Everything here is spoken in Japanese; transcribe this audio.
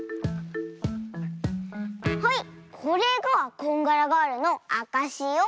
はいこれがこんがらガールのあかしよ！